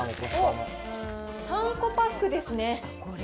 ３個パックですね。